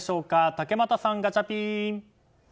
竹俣さん、ガチャピン！